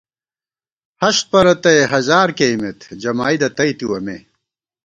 ہست پرَتَئ ہزار کېئیمېت جمائیدہ تئیتِوَہ مے